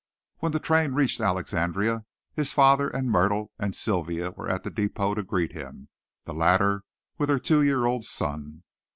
When the train reached Alexandria, his father and Myrtle and Sylvia were at the depot to greet him the latter with her two year old son.